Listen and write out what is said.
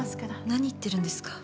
何言ってるんですか？